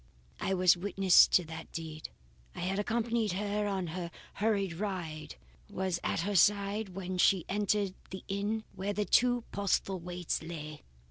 "I was witness to that deed. I had accompanied her on her hurried ride and was at her side when she entered the inn where the two Postlethwaites lay.